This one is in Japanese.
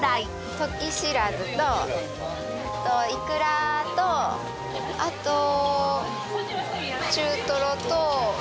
ときしらずとイクラとあと中とろと。